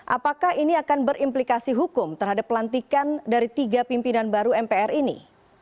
apakah ini akan berimplikasi hukum terhadap pelantikan dari tiga pimpinan baru mpr ini